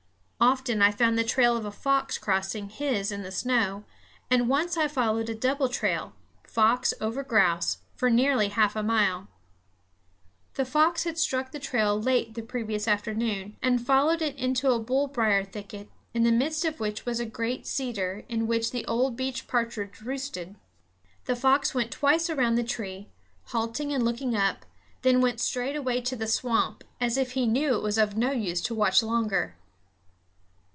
Often I found the trail of a fox crossing his in the snow; and once I followed a double trail, fox over grouse, for nearly half a mile. The fox had struck the trail late the previous afternoon, and followed it to a bullbrier thicket, in the midst of which was a great cedar in which the old beech partridge roosted. The fox went twice around the tree, halting and looking up, then went straight away to the swamp, as if he knew it was of no use to watch longer.